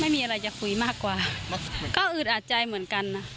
ไม่มีอะไรจะคุยมากกว่าก็อึดอัดใจเหมือนกันนะ